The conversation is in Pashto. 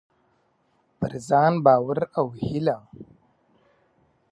پر ځان باور او هيله: